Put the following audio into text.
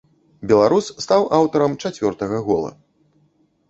Беларус стаў аўтарам чацвёртага гола.